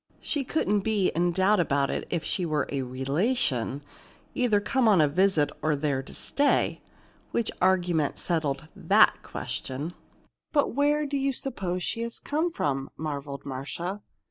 "She couldn't be in doubt about it if she were a relation, either come on a visit or there to stay!" Which argument settled that question. "But where do you suppose she has come from?" marveled Marcia.